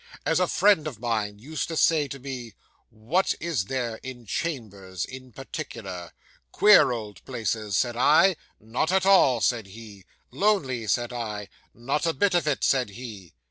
As a friend of mine used to say to me, "What is there in chambers in particular?" "Queer old places," said I. "Not at all," said he. "Lonely," said I. "Not a bit of it," said he.